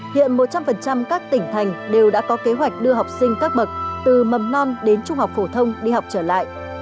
hiện một trăm linh các tỉnh thành đều đã có kế hoạch đưa học sinh các bậc từ mầm non đến trung học phổ thông đi học trở lại